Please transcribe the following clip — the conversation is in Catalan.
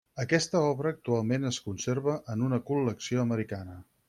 Aquesta obra actualment es conserva en una col·lecció americana.